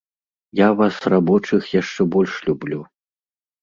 Я вас, рабочых, яшчэ больш люблю.